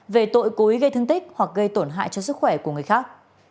về tội cố ý gây thương tích hoặc gây tổn hại cho sức khỏe của người khác